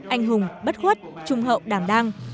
anh hùng bất khuất trung hậu đảng đang